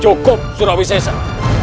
cukup surawi sesak